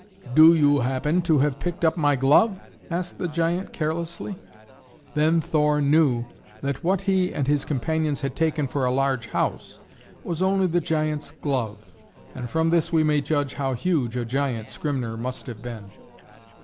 "Do you happen to have picked up my glove?" asked the giant carelessly. Then Thor knew that what he and his companions had taken for a large house was only the giant's glove, and from this we may judge how huge a giant Skrymner must have been.